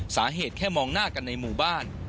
สาเหตุแค่มองหน้ากันในหมู่บ้าน